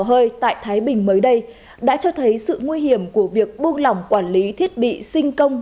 hơi tại thái bình mới đây đã cho thấy sự nguy hiểm của việc buông lỏng quản lý thiết bị sinh công